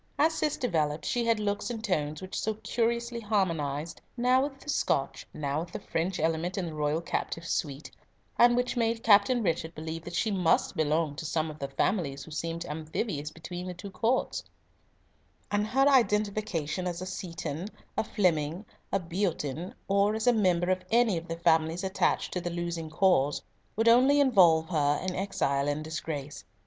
As Cis developed, she had looks and tones which so curiously harmonised, now with the Scotch, now with the French element in the royal captive's suite, and which made Captain Richard believe that she must belong to some of the families who seemed amphibious between the two courts; and her identification as a Seaton, a Flemyng, a Beatoun, or as a member of any of the families attached to the losing cause, would only involve her in exile and disgrace.